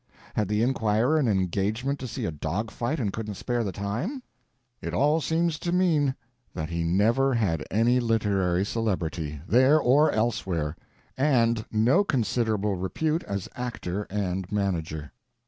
Had the inquirer an engagement to see a dog fight and couldn't spare the time? It all seems to mean that he never had any literary celebrity, there or elsewhere, and no considerable repute as actor and manager.